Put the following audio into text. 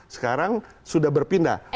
sekarang sudah berpindah